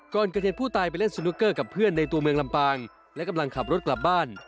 ก่อนเกิดเหตุผู้ตายไปเล่นสนุกเกอร์กับเพื่อนในตัวเมืองลำปางและกำลังขับรถกลับบ้าน